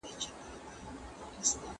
¬ له څاڅکو څاڅکو څه درياب جوړېږي.